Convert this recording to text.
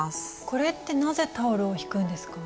これってなぜタオルをひくんですか？